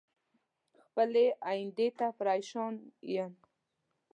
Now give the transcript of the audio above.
خپلې ايندی ته پریشان ين